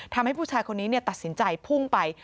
ทำให้ผู้ชายคนนี้ตัดสินใจพุ่งไป